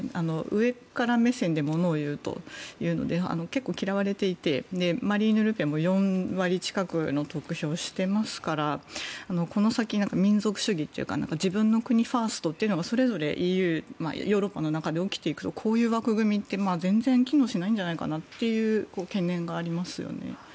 上から目線でものを言うというので結構嫌われていてマリーヌ・ルペンも４割近くの得票してますからこの先、民族主義というか自分の国ファーストがそれぞれヨーロッパの中で起きていくとこういう枠組みって全然機能しないんじゃないかという懸念がありますよね。